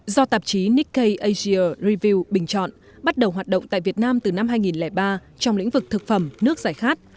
do tạp chí nikkei asia review bình chọn bắt đầu hoạt động tại việt nam từ năm hai nghìn ba trong lĩnh vực thực phẩm nước giải khát